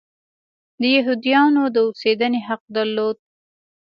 د یهودیانو د اوسېدنې حق درلود.